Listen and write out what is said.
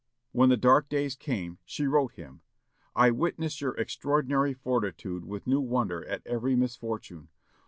When the dark days came, she wrote him, "I witness your extraordinary fortitude with new wonder at every new misfortune.